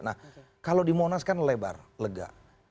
nah kalau di monas kan lebar lega